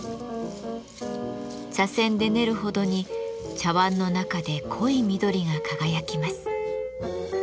茶せんで練るほどに茶わんの中で濃い緑が輝きます。